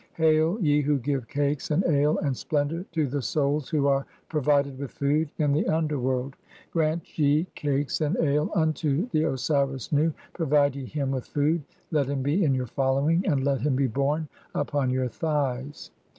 Hail, ye who give cakes, and ale, and splendour to the souls "who are provided with food in the underworld, (4) grant ye "cakes and ale unto the Osiris Nu ; provide ye him with food, "let him be in your following, and let him be born upon your "thighs."